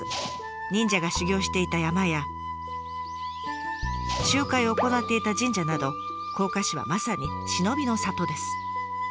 忍者が修行していた山や集会を行っていた神社など甲賀市はまさに忍びの里です。